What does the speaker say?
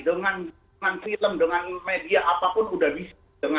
dengan film dengan media apapun udah bisa